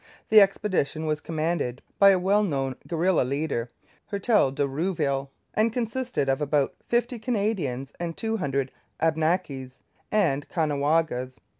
The expedition was commanded by a well known guerilla leader, Hertel de Rouville, and consisted of about fifty Canadians and two hundred Abnakis and Caughnawagas.